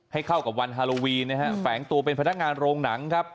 ให้เข้ากับวันฮาโลวีนนะฮะแฝงตัวเป็นพนักงานโรงหนังครับ